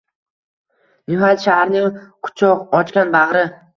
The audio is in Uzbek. Nihoyat shaharning quchoq ochgan bag’ri.